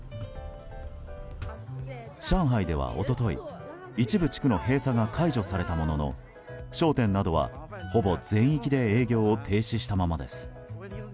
上海では一昨日一部地区の閉鎖が解除されたものの商店などは、ほぼ全域で営業を停止したままです。